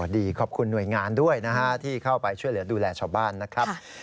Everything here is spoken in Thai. ดีขอบคุณหน่วยงานด้วยนะฮะที่เข้าไปช่วยเหลือดูแลชาวบ้านนะครับ